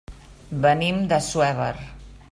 Venim d'Assuévar.